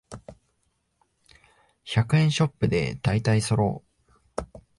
百円ショップでだいたいそろう